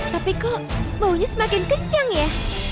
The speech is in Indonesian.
tapi kok baunya semakin kencang ya